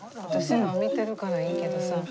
私ら見てるからいいけどさ。